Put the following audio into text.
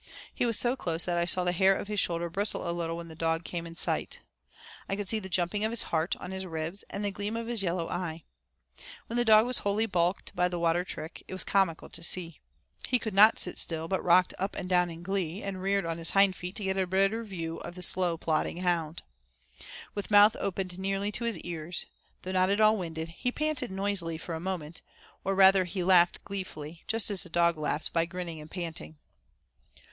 He was so close that I saw the hair of his shoulder bristle a little when the dog came in sight. I could see the jumping of his heart on his ribs, and the gleam of his yellow eye. When the dog was wholly baulked by the water trick, it was comical to see: he could not sit still, but rocked up and down in glee, and reared on his hind feet to get a better view of the slow plodding hound. With mouth opened nearly to his ears, though not at all winded, he panted noisily for a moment, or rather he laughed gleefully, just as a dog laughs by grinning and panting.